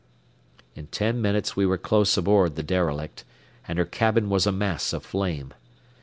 In ten minutes we were close aboard the derelict, and her cabin was a mass of flame.